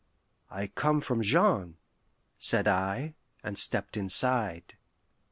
"I come from Jean," said I, and stepped inside.